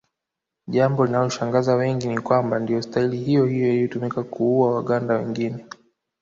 Jambo linaloshangaza wengi ni kwamba ndiyo staili hiyohiyo iliyotumika kuua Waganda wengine